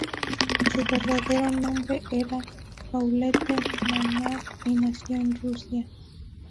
Su verdadero nombre era Paulette Maynard, y nació en Rusia.